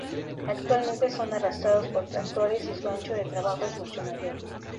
Actualmente son arrastrados por tractores y su ancho de trabajo es mucho mayor.